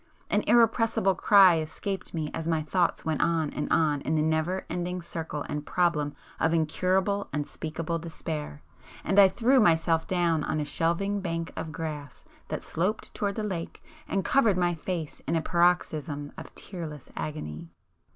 —an irrepressible cry escaped me as my thoughts went on and on in the never ending circle and problem of incurable, unspeakable despair,—and I threw myself down on a shelving bank of grass that sloped towards the lake and covered my face in a paroxysm of tearless agony.